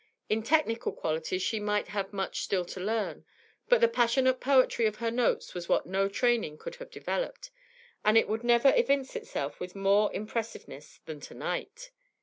In technical qualities she might have much still to learn, but the passionate poetry of her notes was what no training could have developed, and it would never evince itself with more impressiveness than to night.